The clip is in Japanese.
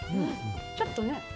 ちょっとね。